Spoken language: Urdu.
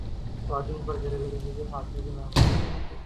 خواتین پر گھریلو تشدد کے خاتمے کی مہم رکو اور روکو